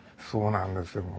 そうなんですよ。